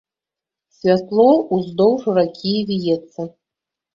Святло ўздоўж ракі віецца.